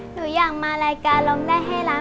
หนูอยากมารายการร้องได้ให้ล้าน